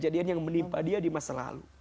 kejadian yang menimpa dia di masa lalu